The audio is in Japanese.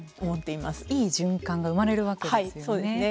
いい循環が生まれるわけですよね。